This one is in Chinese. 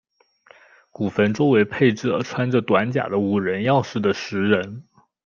古坟周围配置了穿着短甲的武人样式的石人。